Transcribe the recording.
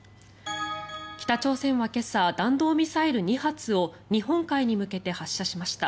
北朝鮮は今朝弾道ミサイル２発を日本海に向けて発射しました。